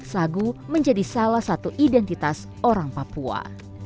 sagu menjadi salah satu identitas orang papua